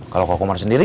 kalau kang komar sendiri